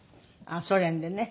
ソ連でね。